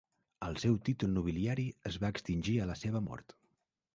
El seu títol nobiliari es va extingir a la seva mort.